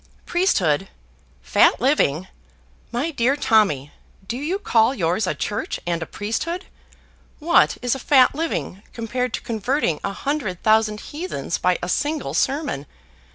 priesthood! fat living! My dear Tommy, do you call yours a church and a priesthood? What is a fat living compared to converting a hundred thousand heathens by a single sermon?